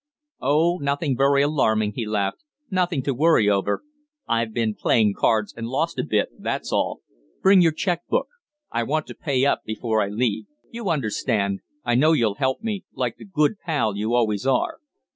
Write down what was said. "Oh, nothing very alarming," he laughed. "Nothing to worry over. I've been playing cards, and lost a bit, that's all. Bring your cheque book; I want to pay up before I leave. You understand. I know you'll help me, like the good pal you always are."